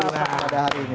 tidak ada hari ini